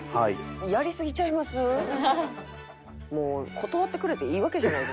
断ってくれていいわけじゃないですか？